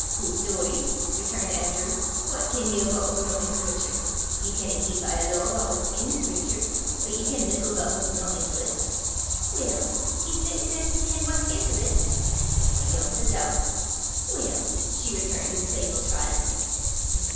"Hoot, Doory!" returned Andrew, "what ken ye aboot what's no i' scriptur? Ye ken a heap, I alloo, aboot what's in scriptur, but ye ken little aboot what's no intil 't!" "Weel, isna 't best to ken what's intil 't?" "'Ayont a doobt." "Weel!" she returned in playful triumph.